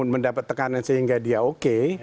mendapat tekanan sehingga dia oke